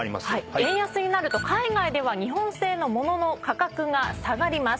円安になると海外では日本製の物の価格が下がります。